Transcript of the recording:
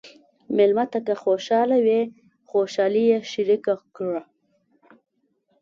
مېلمه ته که خوشحال وي، خوشالي یې شریکه کړه.